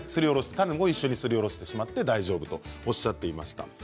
種も一緒にすりおろしてしまって大丈夫とおっしゃっていました。